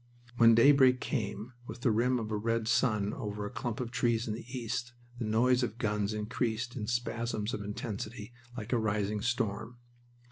When daybreak came, with the rim of a red sun over a clump of trees in the east, the noise of guns increased in spasms of intensity like a rising storm.